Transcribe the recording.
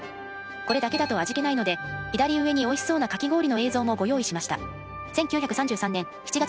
これだけだと味気ないので左上においしそうなかき氷の映像もご用意しました。